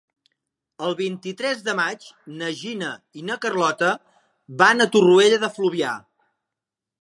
El vint-i-tres de maig na Gina i na Carlota van a Torroella de Fluvià.